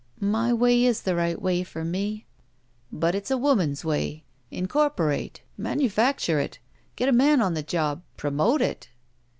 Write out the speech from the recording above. My way is the right way for me," But it's a woman's way. Incorporate. Manu facture it. Get a man on the job. Promote it!"